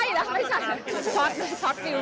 อะไรไม่ใช่นะ